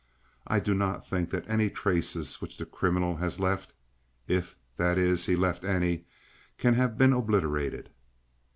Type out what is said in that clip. I do not think that any traces which the criminal has left, if, that is, he has left any, can have been obliterated."